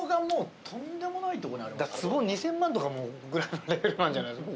いやだって坪２０００万とかのぐらいのレベルなんじゃないですか